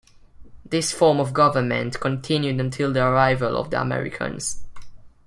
This form of government continued until the arrival of the Americans.